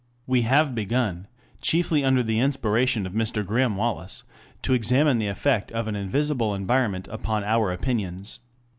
We have begun, chiefly under the inspiration of Mr. Graham Wallas, to examine the effect of an invisible environment upon our opinions.